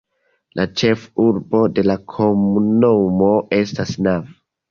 La ĉefurbo de la komunumo estas Nava.